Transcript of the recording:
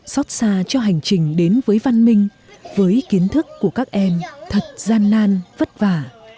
xót xa cho hành trình đến với văn minh với kiến thức của các em thật gian nan vất vả